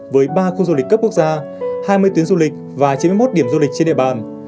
với ba khu du lịch cấp quốc gia hai mươi tuyến du lịch và chín mươi một điểm du lịch trên địa bàn